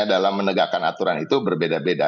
dalam menegakkan aturan itu berbeda beda